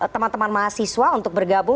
teman teman mahasiswa untuk bergabung